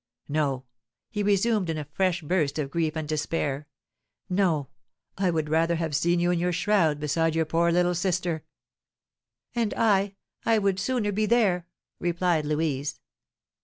No," he resumed in a fresh burst of grief and despair, "no; I would rather have seen you in your shroud beside your poor little sister!" "And I, I would sooner be there!" replied Louise.